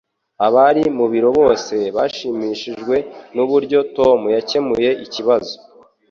Abari mu biro bose bashimishijwe nuburyo Tom yakemuye ikibazo